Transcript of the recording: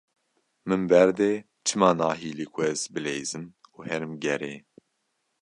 Min berde, çima nahîlî ku ez bileyzim û herim gerê?